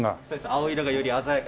青色がより鮮やかに。